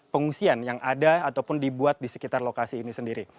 pengungsian yang ada ataupun dibuat di sekitar lokasi ini sendiri